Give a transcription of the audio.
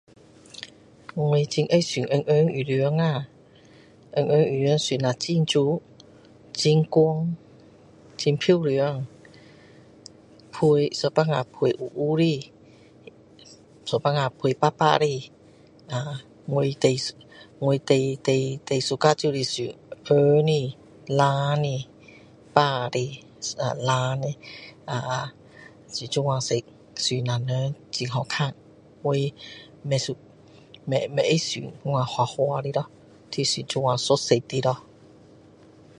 我很爱穿红红衣服啊！ 红红衣服穿了很美。很光，很漂亮。配，有时候配黑黑的，有时候配白白的。那我最，我最最喜欢就是穿红的，蓝的，白的[ahh]蓝的。[ahh]穿这样色，穿了人很好看。我不， [unintelligible] 不爱穿那样花花的咯。就是穿这种一色的咯。